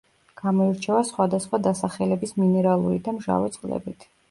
გამოირჩევა სხვადასხვა დასახელების მინერალური და მჟავე წყლებით.